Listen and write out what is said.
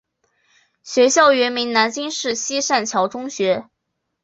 学校原名南京市西善桥中学。